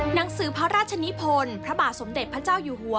หนังสือพระราชนิพลพระบาทสมเด็จพระเจ้าอยู่หัว